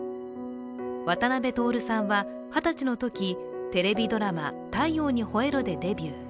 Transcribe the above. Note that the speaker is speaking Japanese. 渡辺徹さんは２０歳のとき、テレビドラマ、「太陽にほえろ！」でデビュー。